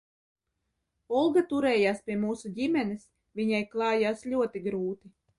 Olga turējās pie mūsu ģimenes, viņai klājās ļoti grūti.